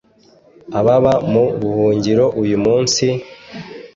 Ababa mu buhungiro uyu munsi,